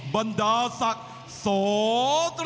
บรรดาศักดิ์สอตกุลเพชร